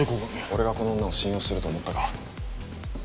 俺がこの女を信用してると思ったか？